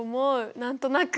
何となく。